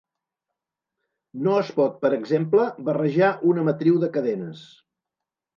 No es pot, per exemple, barrejar una matriu de cadenes.